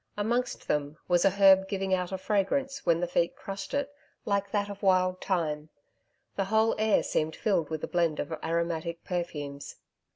Amongst them was a herb giving out a fragrance, when the feet crushed it, like that of wild thyme. The whole air seemed filled with a blend of aromatic perfumes.